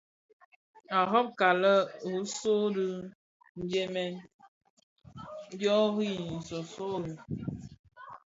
A robka lë risoo di mëdyëm dyô rì dyô.